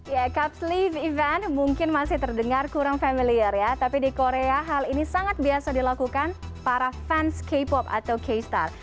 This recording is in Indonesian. ya cupsleave event mungkin masih terdengar kurang familiar ya tapi di korea hal ini sangat biasa dilakukan para fans k pop atau k star